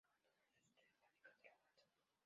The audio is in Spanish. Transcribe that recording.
Abandonó sus estudios para dedicarse a la danza.